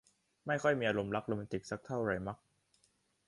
ไม่ค่อยมีอารมณ์รักโรแมนติกสักเท่าไหร่มัก